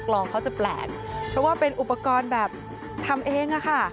ลองเขาจะแปลกเพราะว่าเป็นอุปกรณ์แบบทำเองอะค่ะ